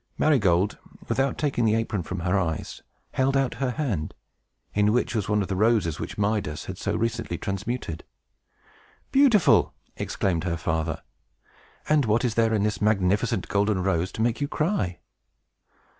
Marygold, without taking the apron from her eyes, held out her hand, in which was one of the roses which Midas had so recently transmuted. "Beautiful!" exclaimed her father. "And what is there in this magnificent golden rose to make you cry?"